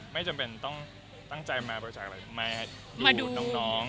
ไม่จำเป็นต้องตั้งใจมามาดูน้อง